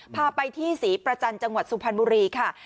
พาไปที่ศรีประจันทร์จังหวัดสุพรรณบุรีค่ะ